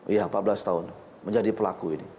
iya empat belas tahun menjadi pelaku ini